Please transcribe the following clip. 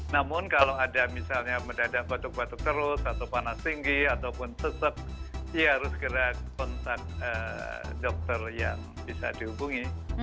namun kalau ada misalnya mendadak batuk batuk terus atau panas tinggi ataupun sesek ya harus gerak kontak dokter yang bisa dihubungi